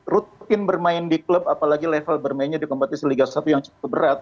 rutin bermain di klub apalagi level bermainnya di kompetisi liga satu yang cukup berat